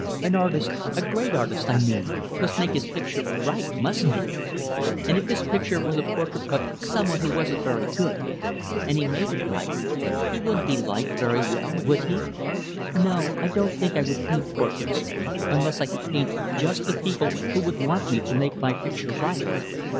An artist a great artist, I mean must make his picture right, mustn't he? And if his picture was a portrait of some one who wasn't very good, and he made it right; he wouldn't be liked very well, would he? No, I don't think I would paint portraits unless I could paint just the people who would want me to make my picture right."